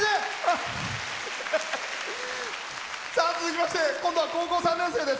続きまして、今度は高校３年生です。